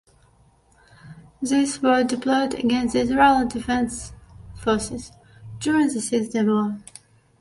These were deployed against the Israel Defense Forces during the Six Day War.